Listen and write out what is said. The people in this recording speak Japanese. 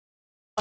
あ！